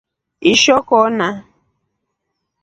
Ishoo kona.